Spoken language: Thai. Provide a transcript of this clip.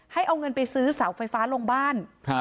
ให้เอาเงินไปซื้อเสาไฟฟ้าลงบ้าน